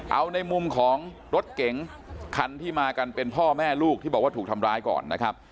เอาในมุมของรถเก๋งคันที่มากันเป็นพ่อแม่ลูกที่บอกว่าถูกทำร้ายก่อนนะครับ